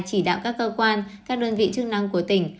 chỉ đạo các cơ quan các đơn vị chức năng của tỉnh